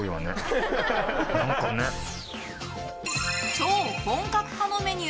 超本格派のメニュー。